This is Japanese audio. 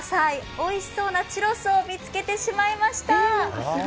おいしそうなチュロスを見つけてしまいました。